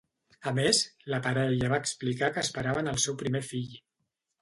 A més, la parella va explicar que esperaven el seu primer fill.